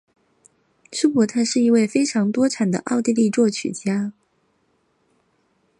舒伯特是一位非常多产的奥地利作曲家。